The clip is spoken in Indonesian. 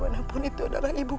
karena penyakit ipsp baca obatnya